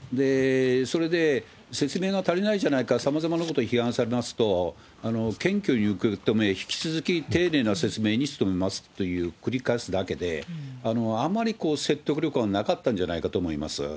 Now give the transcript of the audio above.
それで、説明が足りないじゃないか、さまざまなこと批判されますと、謙虚に受け止め、引き続き丁寧な説明に努めますと繰り返すだけで、あまり説得力はなかったんじゃないかと思います。